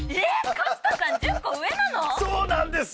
角田さん１０コ上なの⁉そうなんですよ。